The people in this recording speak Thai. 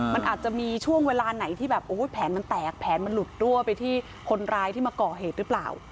มันอาจจะมีช่วงเวลาไหนแผนมันแตกแผนมันหลุดตั้วไปที่คนร้ายมาก่อเหตุรึเปล่า